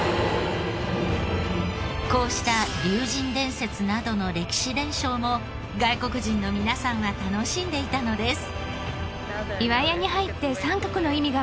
こうした龍神伝説などの歴史伝承も外国人の皆さんは楽しんでいたのです。